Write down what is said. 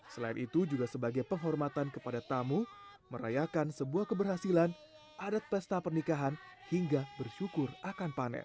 selain itu juga sebagai penghormatan kepada tamu merayakan sebuah keberhasilan adat pesta pernikahan hingga bersyukur akan panen